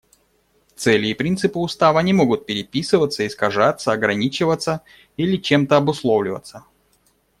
Цели и принципы Устава не могут переписываться, искажаться, ограничиваться или чем-то обусловливаться.